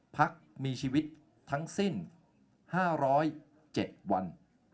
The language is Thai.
พักมีชีวิตทั้งสิ้น๕๐๗วัน